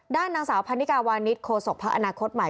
ด้านนางสาวพันธิกาวานิษย์โฆษกภนาคตใหม่